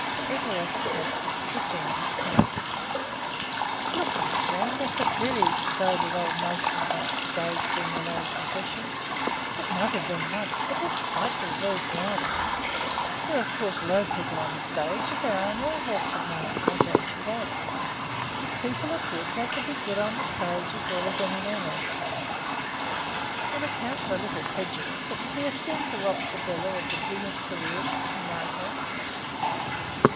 Everard attempted to defend his case. "Look here, gran, that's a very exploded old notion about the stage being a low profession. It might have been once, but it is quite the reverse nowadays. There are, of course, low people on the stage, as there are in all walks of life. I grant you that; but if people are good they can be good on the stage as well as anywhere else. On account of a little prejudice it would be a sin to rob Sybylla of the brilliant career she might have."